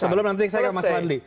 sebelum nanti saya ke mas fadli